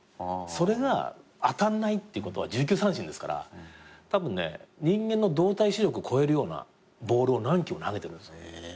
それが当たんないってことは１９三振ですからたぶんね人間の動体視力を超えるようなボールを何球も投げてるんですよ。